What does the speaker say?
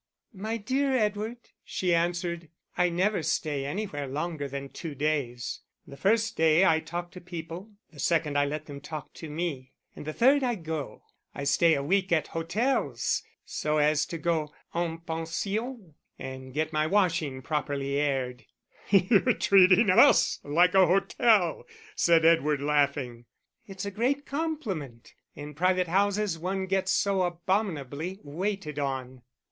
"My dear Edward," she answered, "I never stay anywhere longer than two days the first day I talk to people, the second I let them talk to me, and the third I go.... I stay a week at hotels so as to go en pension, and get my washing properly aired." "You're treating us like a hotel," said Edward, laughing. "It's a great compliment: in private houses one gets so abominably waited on."